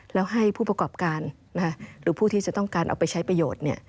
แล้วให้ผู้ประกอบการหรือผู้ที่จะต้องการเอาไปใช้ประโยชน์